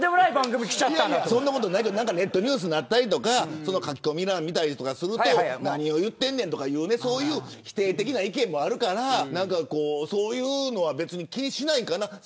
そんなことないけどネットニュースになったり書き込み欄を見たりすると何を言ってんねんとか否定的な意見もあるからそういうのは気にしないんかな。